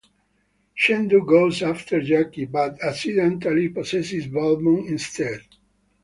Shendu goes after Jackie, but accidentally possesses Valmont instead.